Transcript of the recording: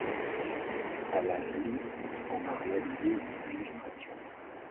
Alan Lee en a réalisé une illustration.